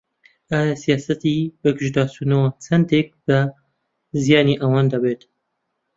ئایا سیاسەتی بەگژداچوونەوە چەندێک بە زیانی ئەوان دەبێت؟